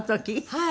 はい。